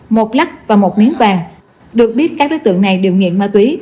một lắc và một miếng vàng được biết các đối tượng này đều nghiện ma túy